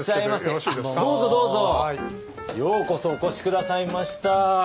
ようこそお越し下さいました。